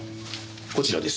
こちらです。